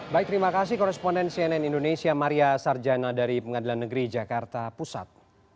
baik terima kasih koresponden cnn indonesia maria sarjana dari pengadilan negeri jakarta pusat